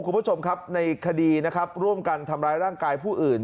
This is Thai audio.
คุณผู้ชมครับในคดีนะครับร่วมกันทำร้ายร่างกายผู้อื่น